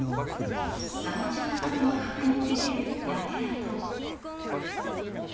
山頂からも確認できる焼け跡。